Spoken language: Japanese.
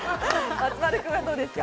松丸君、どうですか？